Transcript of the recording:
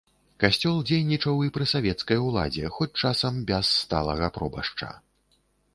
Касцёл дзейнічаў і пры савецкай уладзе, хоць часам без сталага пробашча.